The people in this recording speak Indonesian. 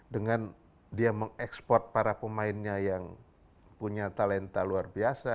dengan dia mengekspor para pemainnya yang punya talenta luar biasa